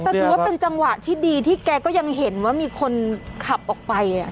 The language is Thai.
แต่ถือว่าเป็นจังหวะที่ดีที่แกก็ยังเห็นว่ามีคนขับออกไป